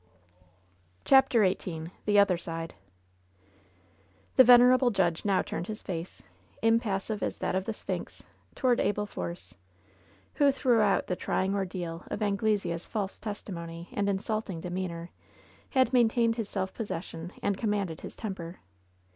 LOVE'S BITTEREST CUP 118 CHAPTER XVin THE OTHBB SIDE The venerable judge now turned his face, impassive as that of the Sphinx, toward Abel Force, who through out the trying ordeal of Anglesea's false testimony and insulting demeanor had maintained his sel^ possession and commanded his temper.